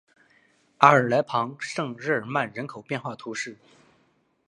阿尔来旁圣日耳曼人口变化图示